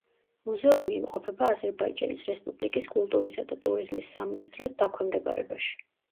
მუზეუმი იმყოფება აზერბაიჯანის რესპუბლიკის კულტურისა და ტურიზმის სამინისტროს დაქვემდებარებაში.